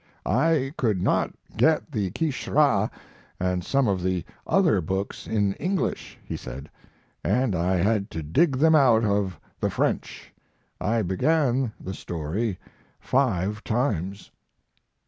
] "I could not get the Quicherat and some of the other books in English," he said, "and I had to dig them out of the French. I began the story five times."